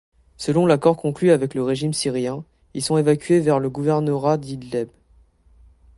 Selon l'accord conclu avec le régime syrien, ils sont évacués vers le gouvernorat d'Idleb.